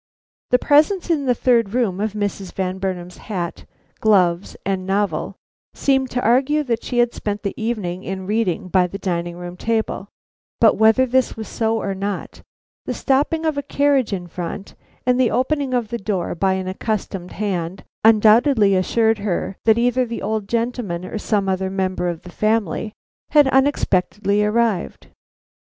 The presence in the third room of Mrs. Van Burnam's hat, gloves, and novel seemed to argue that she had spent the evening in reading by the dining room table, but whether this was so or not, the stopping of a carriage in front and the opening of the door by an accustomed hand undoubtedly assured her that either the old gentleman or some other member of the family had unexpectedly arrived.